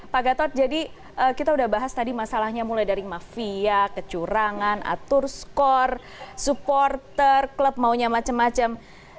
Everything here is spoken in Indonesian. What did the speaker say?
pak gatot jadi kita sudah bahas tadi masalahnya mulai dari mafia kecurangan atur skor supporter klub maunya macam macam